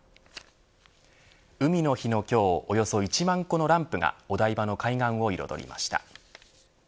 海の日の今日およそ１万個のランプがお台場の海岸を彩りました。